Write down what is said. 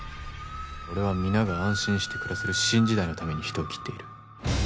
俺は皆が安心して暮らせる新時代のために人を斬っている。